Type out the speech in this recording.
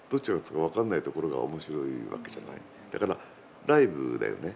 だからライブだよね。